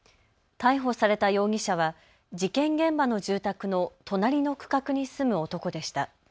逮捕された容疑者は事件現場の住宅の隣の区画に住む男でした。